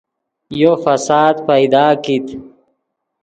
یو فساد پیدا کیت